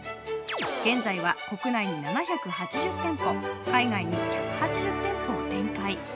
現在は国内に７８０店舗、海外に１８０店舗を展開。